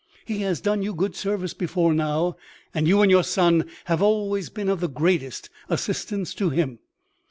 He has done you good service before now; and you and your Son have always been of the greatest assistance to him."